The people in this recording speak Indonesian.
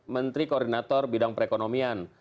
menteri koordinator bidang perekonomian